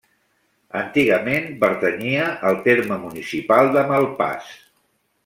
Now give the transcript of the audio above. Antigament pertanyia al terme municipal de Malpàs.